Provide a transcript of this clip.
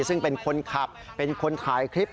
ซึ่งเป็นคนขับเป็นคนถ่ายคลิป